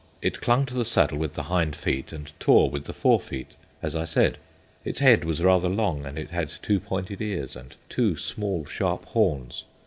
It clung to the saddle with the hind feet and tore with the fore feet, as I said. Its head was rather long, and had two pointed ears and two small sharp horns.